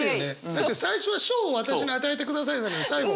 だって最初は「賞を私に与えてください」なのに最後